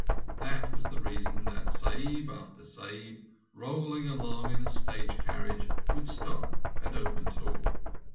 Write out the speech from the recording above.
That was the reason that Sahib after Sahib, rolling along in a stage carriage, would stop and open talk.